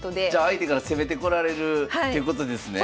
相手から攻めてこられるってことですね？